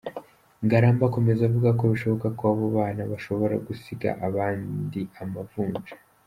Ngarambe akomeza avuga ko bishoboka ko abo bana bashobora gusiga abandi amavunja.